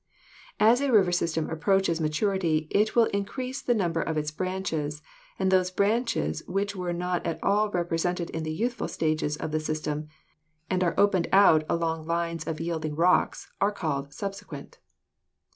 As a river system approaches maturity it will increase the number of its branches, and those branches which were not at all represented in the youthful stages of the system and are opened out along lines of yielding rocks are called subsequent.